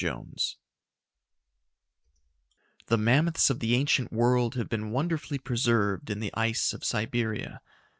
JONES _The mammoths of the ancient world have been wonderfully preserved in the ice of Siberia.